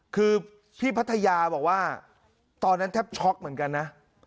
คือพี่พัทยาบอกว่าตอนนั้นแทบช็อกเหมือนกันนะ